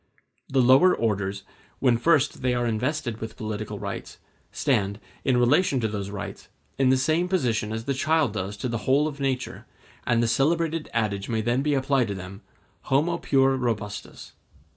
The lower orders, when first they are invested with political rights, stand, in relation to those rights, in the same position as the child does to the whole of nature, and the celebrated adage may then be applied to them, Homo puer robustus.